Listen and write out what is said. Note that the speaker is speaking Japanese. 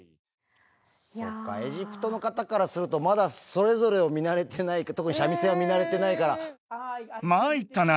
そっか、エジプトの方からすると、まだそれぞれを見慣れてない、特に三味線を見慣れてないかまいったな。